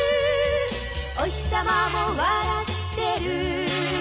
「おひさまも笑ってる」